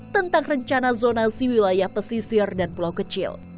tentang rencana zonasi wilayah pesisir dan pulau kecil